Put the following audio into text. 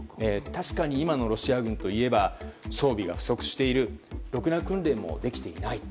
確かに今のロシア軍は装備が不足しているろくな訓練もできていない。